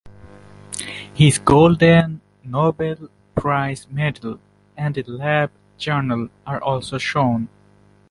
His golden Nobel prize medal, and a lab journal are also shown.